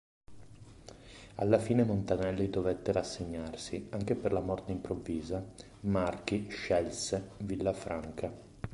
Alla fine Montanelli dovette rassegnarsi; anche per la morte improvvisa Marchi "scelse" Villafranca.